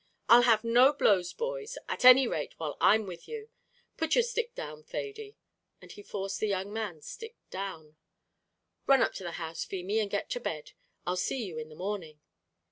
"I'll have no blows, boys, at any rate while I'm with you; put your stick down, Thady," and he forced the young man's stick down; "run up to the house, Feemy, and get to bed; I'll see you in the morning."